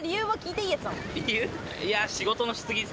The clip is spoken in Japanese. いや。